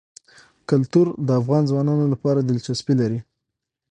کلتور د افغان ځوانانو لپاره دلچسپي لري.